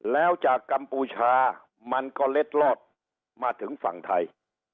แล้วจากกัมพูชามันก็เล็ดลอดมาถึงฝั่งไทย